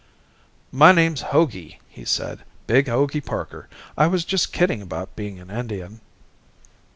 "My name's Hogey," he said. "Big Hogey Parker. I was just kidding about being a Indian."